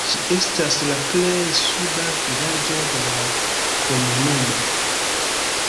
Ĝi estas la plej suda vilaĝo de la komunumo.